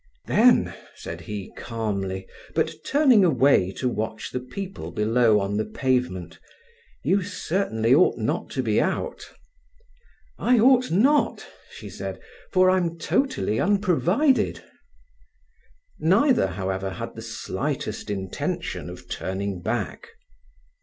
"Then," said he calmly, but turning away to watch the people below on the pavement, "you certainly ought not to be out." "I ought not," she said, "for I'm totally unprovided." Neither, however, had the slightest intention of turning back.